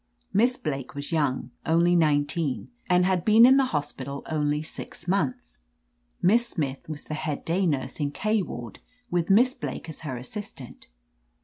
Miss Blake was young, only nineteen, and had been in the hospital only six months. Miss Smith was the head day nurse in K ward, with Miss Blake as her as sistant.